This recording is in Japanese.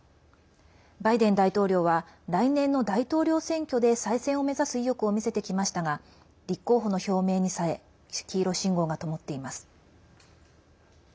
バイデン大統領は来年の大統領選挙で再選を目指す意欲を見せてきましたが立候補の表明にさえ黄色信号がともっています。